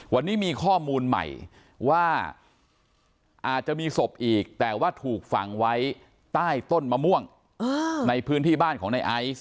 วันนี้มีข้อมูลใหม่ว่าอาจจะมีศพอีกแต่ว่าถูกฝังไว้ใต้ต้นมะม่วงในพื้นที่บ้านของในไอซ์